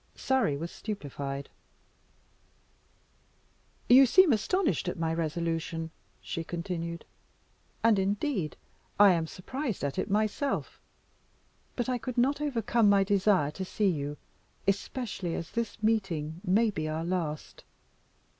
Surrey was stupefied. "You seem astonished at my resolution," she continued; "and, indeed, I am surprised at it myself; but I could not overcome my desire to see you, especially as this meeting may be our last.